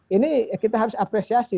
ini kita harus apresiasi